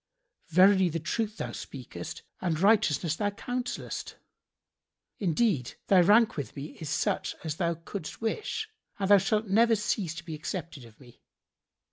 Verily the truth thou speakest and righteousness thou counsellest. Indeed, thy rank with me is such as thou couldst wish[FN#71] and thou shalt never cease to be accepted of me."